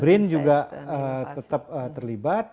brin juga tetap terlibat